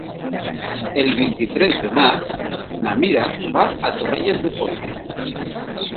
El vint-i-tres de maig na Mira va a Torrelles de Foix.